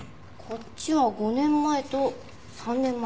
こっちは５年前と３年前。